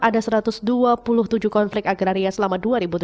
ada satu ratus dua puluh tujuh konflik agraria selama dua ribu tujuh belas